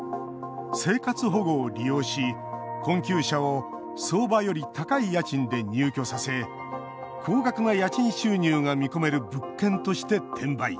生活保護を利用し、困窮者を相場より高い家賃で入居させ高額な家賃収入が見込める物件として転売。